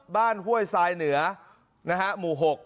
ห้วยทรายเหนือหมู่๖